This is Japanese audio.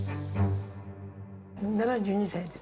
７２歳です。